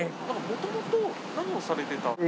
もともと何をされてた？